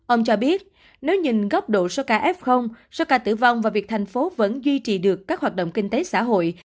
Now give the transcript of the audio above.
ông cho biết nếu nhìn góc độ soka f soka tử vong và việc thành phố vẫn duy trì được các hoạt động kinh tế xã hội